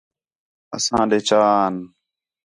اساں ݙے چا آن